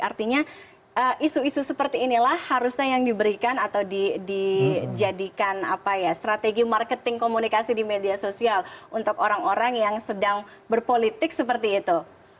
artinya isu isu seperti inilah harusnya yang diberikan atau dijadikan strategi marketing komunikasi di media sosial untuk orang orang yang sedang berpolitik seperti itu